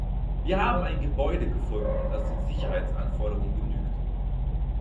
Wir haben ein Gebäude gefunden, das den Sicherheitsanforderungen genügt.